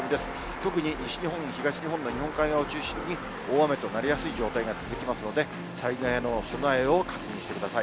特に西日本、東日本の日本海側を中心に、大雨となりやすい状態が続きますので、災害への備えを確認してください。